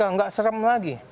tidak serem lagi